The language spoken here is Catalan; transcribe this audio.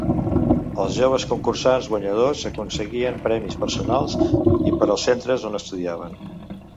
Els joves concursants guanyadors aconseguien premis personals i per als centres on estudiaven.